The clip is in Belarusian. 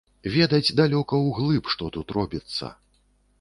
Ведаць далёка ўглыб, што тут робіцца.